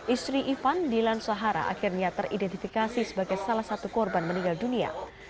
istri ivan dilan sahara akhirnya teridentifikasi sebagai salah satu korban meninggal dunia